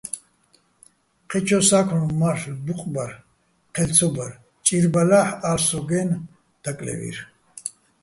ჴეჩო სა́ქმლო მარლ'ო ბუყბარ ჴელ ცო ბარ, ჭირბალა́ჰ̦ ა́ლ'ო̆ სო́გო̆-აჲნო̆, დაკლე́ვირ.